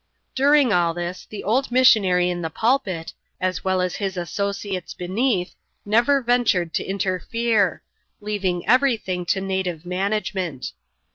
During all this, the old missionary in the pulpit — as well as his associates beneath, never ventured to interfere — leaving everjr thing to native management.